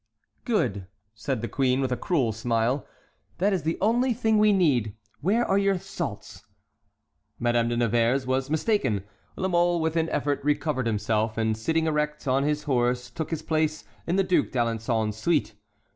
"Good," said the queen, with a cruel smile; "that is the only thing we need. Where are your salts?" Madame de Nevers was mistaken. La Mole, with an effort, recovered himself, and sitting erect on his horse took his place in the Duc d'Alençon's suite.